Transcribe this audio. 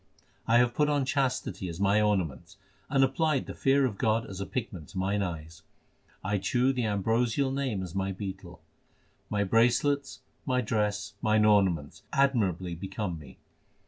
HYMNS OF GURU ARJAN 389 I have put on chastity as my ornaments and applied the fear of God as a pigment to mine eyes. I chew the ambrosial Name as my betel ; My bracelets, my dress, mine ornaments admirably become me.